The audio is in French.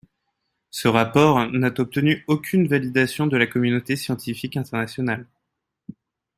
Ce rapport n’a obtenu aucune validation de la communauté scientifique internationale.